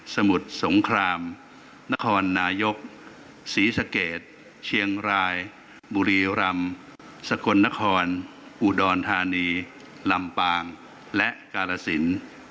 สมุทรสงครามนครนายกศรีสะเกดเชียงรายบุรีรำสกลนครอุดรธานีลำปางและกาลสิน